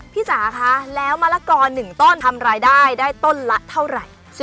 จ๋าคะแล้วมะละกอ๑ต้นทำรายได้ได้ต้นละเท่าไหร่